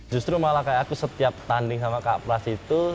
justru malah kayak aku setiap tanding sama kak pras itu